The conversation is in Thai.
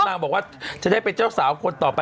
ฉันก๊อบว่าจะได้ไปเจ้าสาวคนต่อไป